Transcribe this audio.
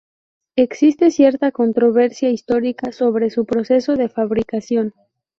Existe cierta controversia histórica sobre su proceso de fabricación.